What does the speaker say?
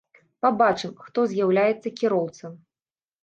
Пабачым, хто з'яўляецца кіроўца.